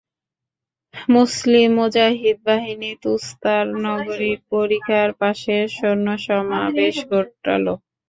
মুসলিম মুজাহিদ বাহিনী তুসতার নগরীর পরিখার পাশে সৈন্য সমাবেশ ঘটাল।